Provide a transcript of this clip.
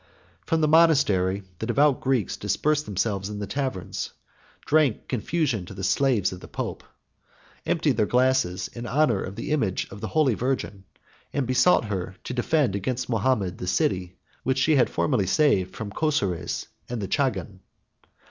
From the monastery, the devout Greeks dispersed themselves in the taverns; drank confusion to the slaves of the pope; emptied their glasses in honor of the image of the holy Virgin; and besought her to defend against Mahomet the city which she had formerly saved from Chosroes and the Chagan.